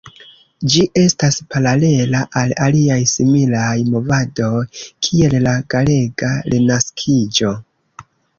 Ĝi estas paralela al aliaj similaj movadoj, kiel la galega Renaskiĝo.